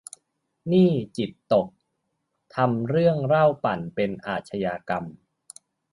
นี่จิตตก ทำเรื่องเหล้าปั่นเป็นอาชญากรรม